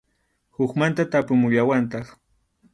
Hukmanta tapumuwallantaq.